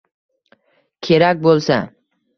Kerak bo’lsa